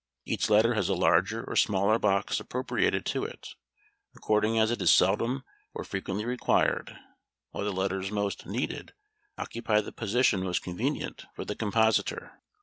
Each letter has a larger or smaller box appropriated to it, according as it is seldom or frequently required, while the letters most needed occupy the position most convenient for the compositor.